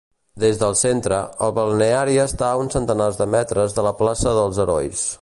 Des del centre, el balneari està a uns centenars de metres de la plaça dels Herois.